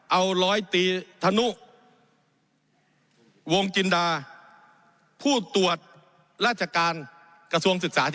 เอาร้อยตีธนุวงจินดาผู้ตรวจราชการกระทรวงศึกษาที่